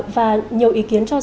và nhiều ý kiến cho bác sĩ